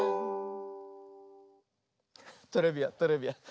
トレビアントレビアン。